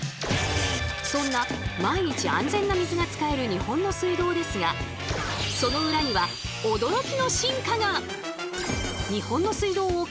そんな毎日安全な水が使える日本の水道ですがその裏には驚きの進化が！